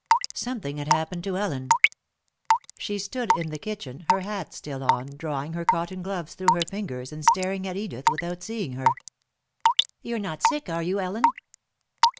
Something had happened to Ellen. She stood in the kitchen, her hat still on, drawing her cotton gloves through her fingers and staring at Edith without seeing her. "You're not sick, are you, Ellen?"